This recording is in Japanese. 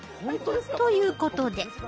ということで。